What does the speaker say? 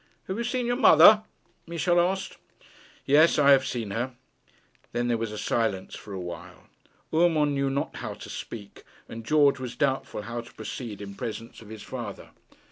'Have you seen your mother?' Michel asked. 'Yes; I have seen her.' Then there was silence for awhile. Urmand knew not how to speak, and George was doubtful how to proceed in presence of his father.